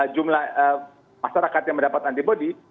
jumlah masyarakat yang mendapat antibody